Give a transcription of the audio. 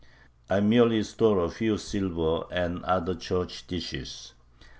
I merely stole a few silver and other church dishes.